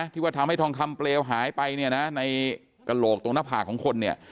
ที่ว่าทำให้ทองคำเปลวหายไปเนี่ยนะในกระโหลกตรงหน้าผากของคนเนี่ย